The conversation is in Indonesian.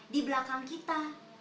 di belakang kita